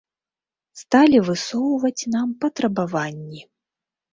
Сталі высоўваць нам патрабаванні.